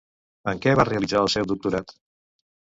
En què va realitzar el seu doctorat?